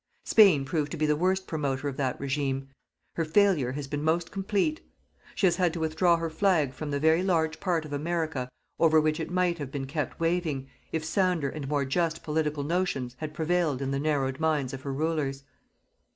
Spain proved to be the worst promoter of that Regime. Her failure has been most complete. She has had to withdraw her flag from the very large part of America over which it might have been kept waving, if sounder and more just political notions had prevailed in the narrowed minds of her Rulers.